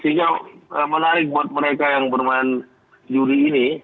sehingga menarik buat mereka yang bermain juri ini